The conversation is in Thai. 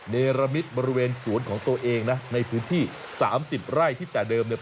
เนรมิตบริเวณสวนของตัวเองนะในพื้นที่๓๐ไร่ที่แต่เดิมเนี่ย